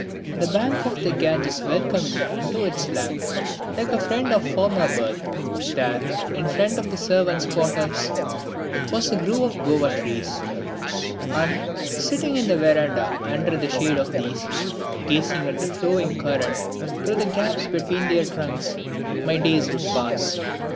The bank of the Ganges welcomed me into its lap like a friend of a former birth. There, in front of the servants' quarters, was a grove of guava trees; and, sitting in the verandah under the shade of these, gazing at the flowing current through the gaps between their trunks, my days would pass.